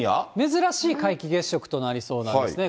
珍しい皆既月食となりそうなんですね。